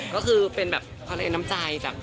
ก็คือเป็นแบบความละเอียดน้ำใจ